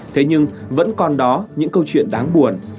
thế nhưng vẫn còn đó những câu chuyện đáng buồn